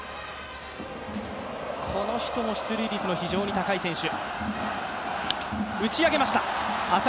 この人も出塁率の非常に高い選手。